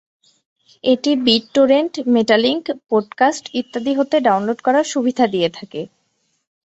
এটি BitTorrent, metalink, podcast ইত্যাদি হতে ডাউনলোড করার সুবিধা দিয়ে থাকে।